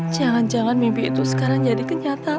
jangan jangan mimpi itu sekarang jadi kenyataan